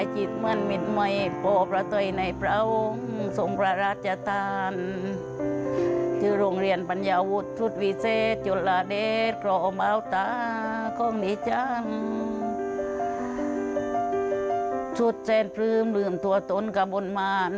จุดแสนพลื้มเรือนตัวตนกะบนหมาน